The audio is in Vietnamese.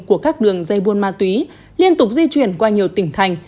của các đường dây buôn ma túy liên tục di chuyển qua nhiều tỉnh thành